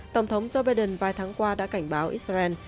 tổng thống joe biden vài tháng qua đã cảnh báo israel